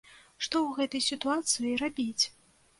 Што ў гэтай сітуацыі рабіць?